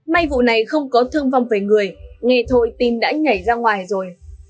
may vụ này không có thương vong về người nghe thôi tin đã nhảy ra ngoài rồi